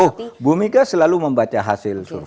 oh bu mega selalu membaca hasil survei